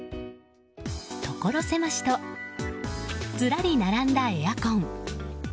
ところ狭しとずらり並んだエアコン。